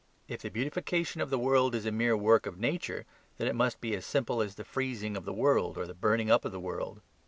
If the beatification of the world is a mere work of nature, then it must be as simple as the freezing of the world, or the burning up of the world.